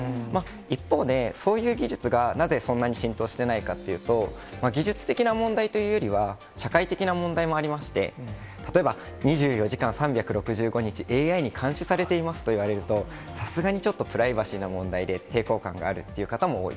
一方で、そういう技術が、なぜそんなに浸透してないかというと、技術的な問題というよりは、社会的な問題もありまして、例えば２４時間３６５日、ＡＩに監視されていますといわれると、さすがにちょっとプライバシーの問題で、抵抗感があるという方も多い。